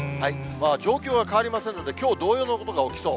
状況は変わりませんので、きょう同様のことが起きそう。